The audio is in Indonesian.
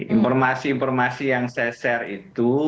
informasi informasi yang saya share itu